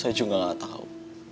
saya juga gak tau